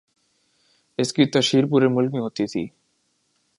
اس کی تشہیر پورے ملک میں ہوتی تھی۔